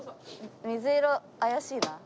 水色怪しいな。